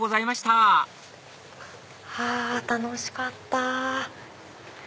はぁ楽しかった。